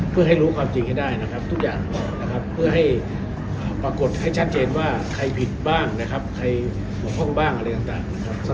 เพื่อให้รู้ความจริงให้ได้นะครับทุกอย่างนะครับเพื่อให้ปรากฏให้ชัดเจนว่าใครผิดบ้างนะครับใครบกพร่องบ้างอะไรต่างนะครับ